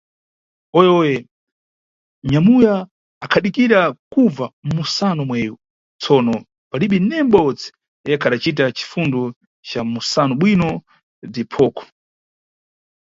Hoye – hoye nyamuya akhadikira kubva mʼmuso omweyu, tsono palibe neye mʼbodzi yekha adacita cifundo ca mʼmusanobwino bziphoko.